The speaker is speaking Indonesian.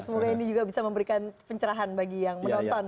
semoga ini juga bisa memberikan pencerahan bagi yang menonton